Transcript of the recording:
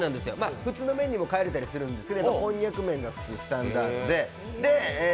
普通の麺に変えれたりするんですけどこんにゃく麺がスタンダードで。